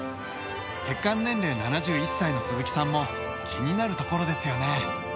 血管年齢７１歳の鈴木さんも気になるところですよね。